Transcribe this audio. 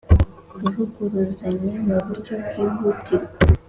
kuvuguruzanya mu buryo bwihutirwa